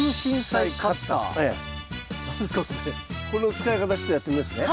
この使い方ちょっとやってみますね。